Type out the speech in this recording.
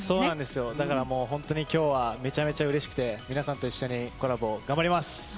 だから本当に今日はめちゃめちゃうれしくて皆さんと一緒にコラボ頑張ります。